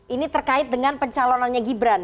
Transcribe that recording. ini terkait dengan pencalonannya gibran